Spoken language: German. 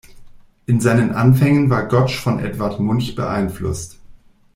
In seinen Anfängen war Gotsch von Edvard Munch beeinflusst.